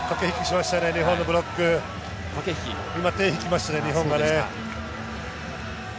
今、手を引きましたよね、日本が。